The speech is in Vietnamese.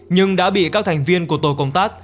nhưng đã bị các thành viên của tổ công tác